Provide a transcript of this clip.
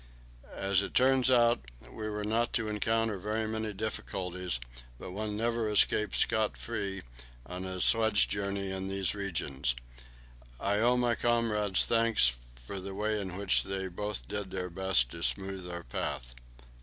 As it turned out, we were not to encounter very many difficulties, but one never escapes scot free on a sledge journey in these regions. I owe my comrades thanks for the way in which they both did their best to smooth our path.